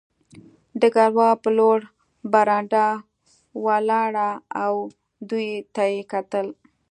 ډګروال په لوړه برنډه ولاړ و او دوی ته یې کتل